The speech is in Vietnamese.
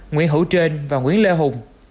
nguyễn hữu trên và nguyễn lê hùng